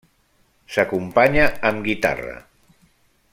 S'acompanya amb guitarra.